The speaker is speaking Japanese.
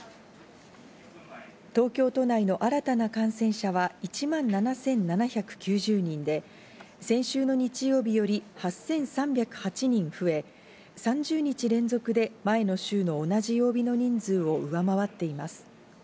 東京都内の新たな感染者は１万７７９０人で、先週の日曜日より８３０８人増え、３０日連続で前の週の同じ曜日の人数を上回っています。